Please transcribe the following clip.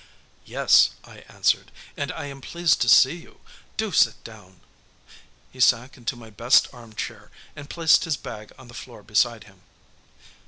"Yes," I answered, "and I am pleased to see you; do sit down." He sank into my best armchair, and placed his bag on the floor beside him.